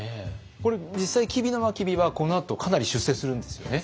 これ実際吉備真備はこのあとかなり出世するんですよね。